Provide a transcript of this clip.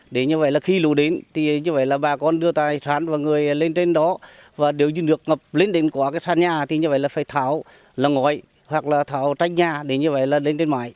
để như vậy là khi lũ đến thì như vậy là bà con đưa tài sản và người lên trên đó và nếu như nước ngập lên đến quá cái sàn nhà thì như vậy là phải tháo là ngói hoặc là tháo tranh nhà để như vậy là lên trên mái